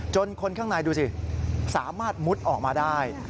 คนข้างในดูสิสามารถมุดออกมาได้